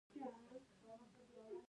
عمده پلورنه او پرچون پلورنه د هغې برخې دي